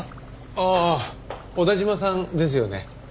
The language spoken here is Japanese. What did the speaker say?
ああ小田嶋さんですよね？